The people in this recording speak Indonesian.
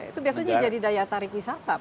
itu biasanya jadi daya tarik wisata